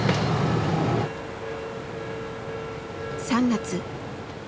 ３月。